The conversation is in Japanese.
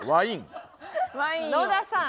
野田さん